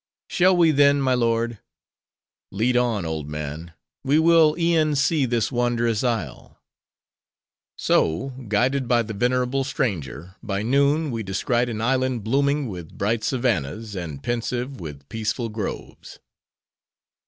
"Shall we then, my lord?" "Lead on, old man! We will e'en see this wondrous isle." So, guided by the venerable stranger, by noon we descried an island blooming with bright savannas, and pensive with peaceful groves.